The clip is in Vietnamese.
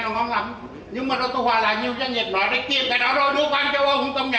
hai ba ba bốn chỗ nghe nó ngon lắm nhưng mà tôi hoài là nhiều doanh nghiệp nói đây kiếm cái đó rồi đưa qua cho ông không công nhận